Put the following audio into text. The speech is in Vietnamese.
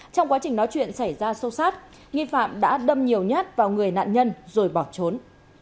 trong quá trình nói chuyện xảy ra sâu sát nghi phạm đã đâm nhiều nhát vào người nạn nhân rồi bỏ trốn